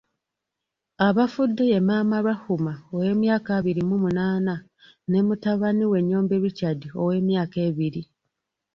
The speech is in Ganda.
Abafudde ye maama Rahumah ow’emyaka abiri mu munaana ne mutabani we Nyombi Richard ow’emyaka ebiri.